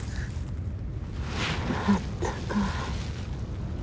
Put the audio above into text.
あったかい